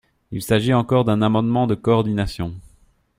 Il s’agit encore d’un amendement de coordination.